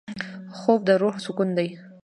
خوب د روح سکون دی